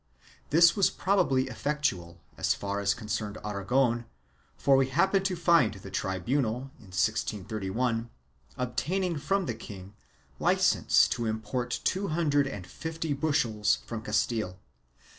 This was probably effectual, as far as concerned Aragon, for we happen to find the tribunal, in 1631, obtaining from the king licence to import two hundred and fifty bushels from Castile.